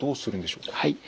はい。